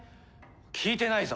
聞いてないぞ。